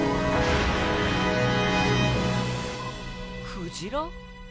クジラ？